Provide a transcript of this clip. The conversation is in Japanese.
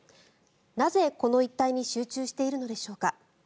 なぜ、この一帯に集中しているのでしょうか。